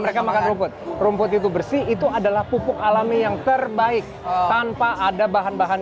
mereka makan rumput rumput itu bersih itu adalah pupuk alami yang terbaik tanpa ada bahan bahan